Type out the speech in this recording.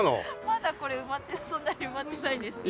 まだこれそんなに埋まってないんですけど。